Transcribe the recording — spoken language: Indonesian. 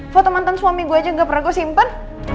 foto mantan suami gue aja gak pernah gue simpen